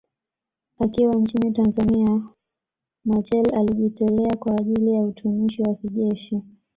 Akiwa nchini Tanzania Machel alijitolea kwa ajili ya utumishi wa kijeshi